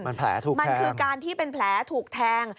มันแผลถูกมันคือการที่เป็นแผลถูกแทง